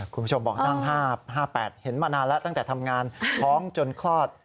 คุณผู้ชมบอกนั่ง๕๘เห็นมานานแล้วตั้งแต่ทำงานท้องจนคลอด